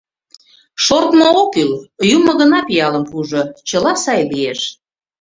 — Шортмо ок кӱл; юмо гына пиалым пуыжо, чыла сай лиеш...